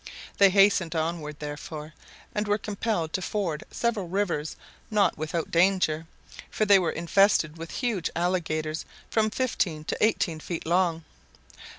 They hastened onward, therefore, and were compelled to ford several rivers, not without danger, for they were infested with huge alligators from fifteen to eighteen feet long.